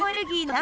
何？